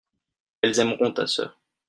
elles aimeront ta sœur.